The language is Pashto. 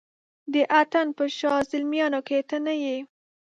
د اتڼ په شاه زلمیانو کې ته نه یې